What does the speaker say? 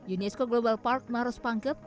unesco global park marospangkep